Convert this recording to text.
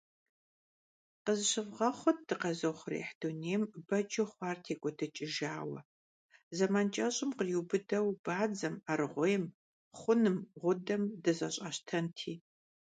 Къызыщывгъэхъут дыкъэзыухъуреихь дунейм бэджу хъуар текIуэдыкIыжауэ. Зэман кIэщIым къриубыдэу бадзэм, аргъуейм, хъуным, гъудэм дызэщIащтэнти.